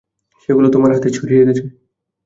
সেগুলো তোমার হাতে ছড়িয়ে গেছে।